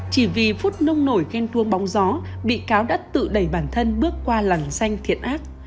chỉ vì phút nông nổi ghen tuông bóng gió bị cáo đã tự đẩy bản thân bước qua lằn xanh thiện ác